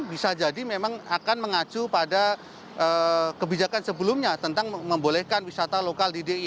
bisa jadi memang akan mengacu pada kebijakan sebelumnya tentang membolehkan wisata lokal di di